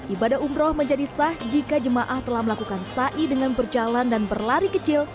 ibadah umroh menjadi sah jika jemaah telah melakukan ⁇ sai ⁇ dengan berjalan dan berlari kecil